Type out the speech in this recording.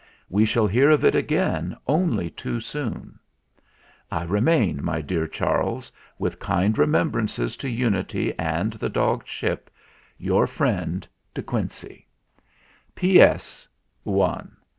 We shall hear of it again only too soon. "I remain, my dear Charles, with kind re membrances to Unity and the dog Ship, your friend, "DE QUINCEY." "P. S. ( i )